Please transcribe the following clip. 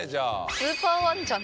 スーパーワンちゃんだよ。